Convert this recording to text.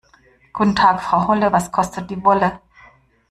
Guten Tag Frau Holle, was kostet die Wolle?